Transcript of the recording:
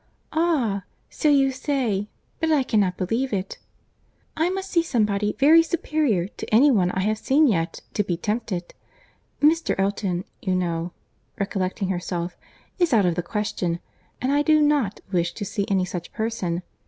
"Ah!—so you say; but I cannot believe it." "I must see somebody very superior to any one I have seen yet, to be tempted; Mr. Elton, you know, (recollecting herself,) is out of the question: and I do not wish to see any such person.